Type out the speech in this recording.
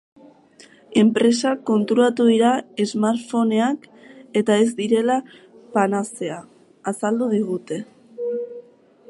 Enpresak konturatu dira smartphoneak-eta ez direla panazea, azaldu digu.